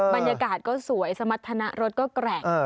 บรรยากาศก็สวยสมรรถนะรถก็แกร่ง